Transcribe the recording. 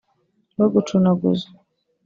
bagucunaguza